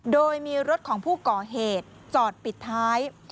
โดยมีรถของผู้ก่อเหตุจอดปิดท้าย